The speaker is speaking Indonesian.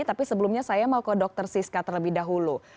tapi sebelumnya saya mau ke dr siska terlebih dahulu